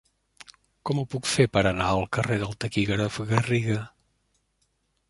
Com ho puc fer per anar al carrer del Taquígraf Garriga?